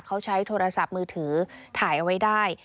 เขาใช้โทรศัพท์มือถือถ่ายเอาไว้ได้